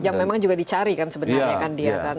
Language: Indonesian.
yang memang juga dicari kan sebenarnya kan dia kan